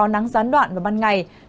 nắng gián đoạn vào ban ngày